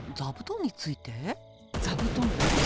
座布団ってほら